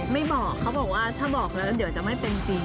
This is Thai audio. ไม่บอกเขาบอกว่าถ้าบอกแล้วเดี๋ยวจะไม่เป็นจริง